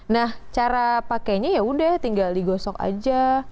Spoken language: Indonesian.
nah cara pakainya yaudah tinggal digosok aja